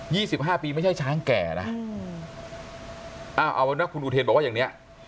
สิบห้าปีไม่ใช่ช้างแก่นะอืมอ้าวเอานะคุณอุเทนบอกว่าอย่างเนี้ย